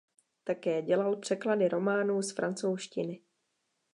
Také dělal překlady románů z francouzštiny.